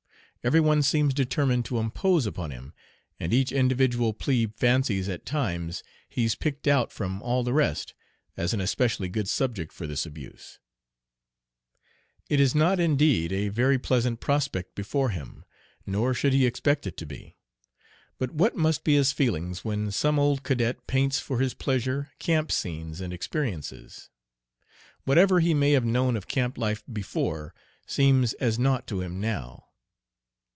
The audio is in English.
Every one seems determined to impose upon him, and each individual "plebe" fancies at times he's picked out from all the rest as an especially good subject for this abuse (?). It is not indeed a very pleasant prospect before him, nor should he expect it to be. But what must be his feelings when some old cadet paints for his pleasure camp scenes and experiences? Whatever he may have known of camp life before seems as naught to him now.